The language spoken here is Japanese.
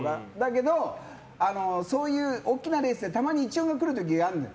でもそういう大きなレースでたまに１−４が来る時があるのよ。